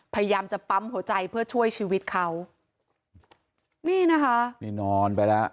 พยายามจะปั๊มหัวใจเพื่อช่วยชีวิตเขานี่นะคะนี่นอนไปแล้ว